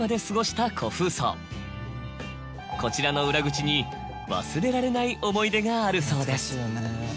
こちらの裏口に忘れられない思い出があるそうです。